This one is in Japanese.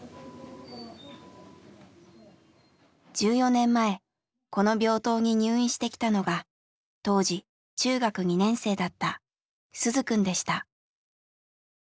１４年前この病棟に入院してきたのが当時中学２年生だった鈴くんでした。